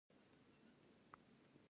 د زړه غږ اوریدل د ناول فکري بنسټ دی.